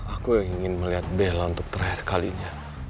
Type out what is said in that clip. aku ingin melihat bella untuk terakhir kalinya